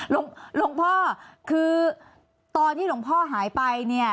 หลวงพ่อคือตอนที่หลวงพ่อหายไปเนี่ย